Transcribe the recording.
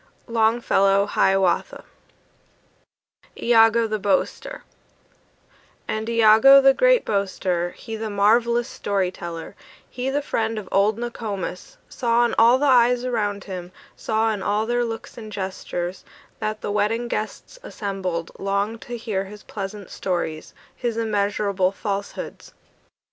ST. JOHN, XV. 13 IAGOO, THE BOASTER And Iagoo, the great boaster, He the marvellous story teller, He the friend of old Nokomis, Saw in all the eyes around him, Saw in all their looks and gestures, That the wedding guests assembled, Longed to hear his pleasant stories, His immeasurable falsehoods.